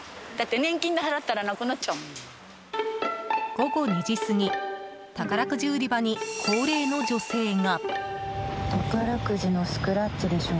午後２時過ぎ宝くじ売り場に高齢の女性が。